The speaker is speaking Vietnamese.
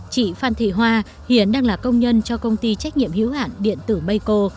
chị phan thị hoa hiện đang là công nhân cho công ty trách nhiệm hữu hạn điện tử mây cô